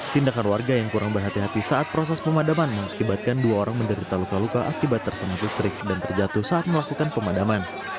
tindakan warga yang kurang berhati hati saat proses pemadaman mengakibatkan dua orang menderita luka luka akibat tersengat listrik dan terjatuh saat melakukan pemadaman